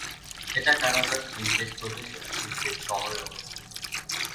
এটি কানাডার কুইবেক প্রদেশের কুইবেক শহরে অবস্থিত।